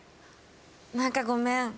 何かごめん。